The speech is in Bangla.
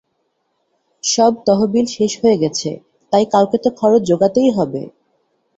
সব তহবিল শেষ হয়ে গেছে তাই কাউকে তো খরচ জোগাতেই হবে।